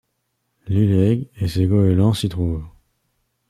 L'île Egg et ses goélands s'y trouvent.